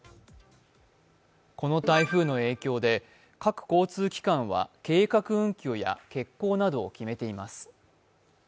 この台風の影響で各交通機関は計画運休や欠航などを決めています。